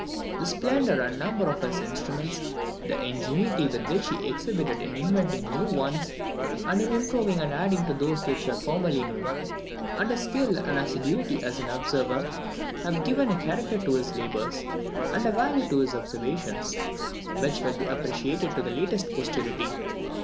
The splendour and number of his instruments, the ingenuity which he exhibited in inventing new ones and in improving and adding to those which were formerly known, and his skill and assiduity as an observer, have given a character to his labours, and a value to his observations, which will be appreciated to the latest posterity.